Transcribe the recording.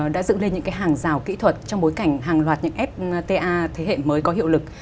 đã dựng lên những hàng rào kỹ thuật trong bối cảnh hàng loạt những fta thế hệ mới có hiệu lực